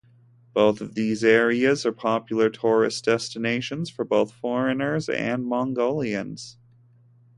Both of these areas are popular tourist destinations both for foreigners and Mongolians.